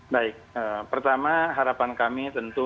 baik pertama harapan kami tentu